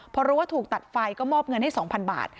พอรู้ว่าถูกตัดไฟก็มอบเงินให้๒๐๐บาท